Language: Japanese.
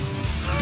あ！